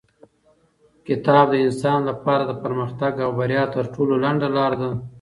کتاب د انسان لپاره د پرمختګ او بریا تر ټولو لنډه لاره ده.